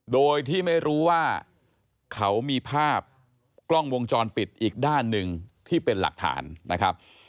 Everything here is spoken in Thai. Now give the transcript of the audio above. โดยที่ไม่รู้ว่าเขามีภาพกล้องวงจรปิดอีกด้านหนึ่งที่เป็นหลักฐานนะครับ